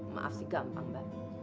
maaf sih gampang mbak